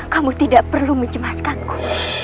kamu tidak perlu menjemaskanku